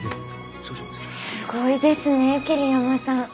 すごいですね桐山さん。